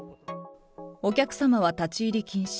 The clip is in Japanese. お客様は立ち入り禁止。